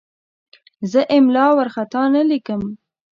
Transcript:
زه املا وارخطا نه لیکم.